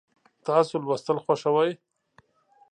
تاسو لوستل خوښوئ؟